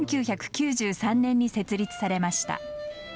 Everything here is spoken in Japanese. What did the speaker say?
１９９３年に設立されました。